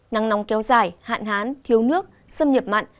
nắng nóng kéo dài hạn hán thiếu nước xâm nhập mặn